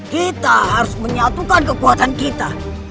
kita harus menyatukan kekuatan kita